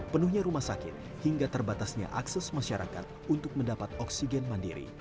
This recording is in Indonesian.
penuhnya rumah sakit hingga terbatasnya akses masyarakat untuk mendapat oksigen mandiri